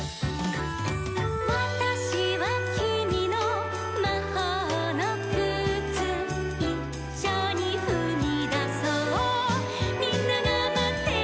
「『わたしはきみのまほうのくつ」「いっしょにふみだそうみんながまってるよ』」